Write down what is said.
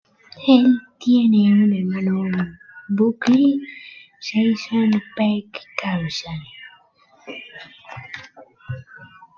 Él tiene un hermano, Buckley Swanson Peck Carlson.